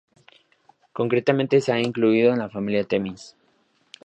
Concretamente se le ha incluido en la familia Temis.